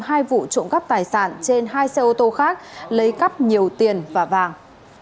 hai vụ trộm cắp tài sản trên hai xe ô tô khác lấy cắp nhiều tiền và vàng